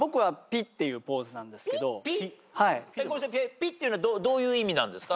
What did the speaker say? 「ピッ」っていうのはどういう意味なんですか？